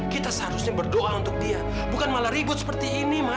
kita seharusnya berdoa untuk dia bukan malah ribut seperti ini